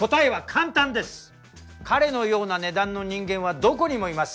彼のような値段の人間はどこにもいます。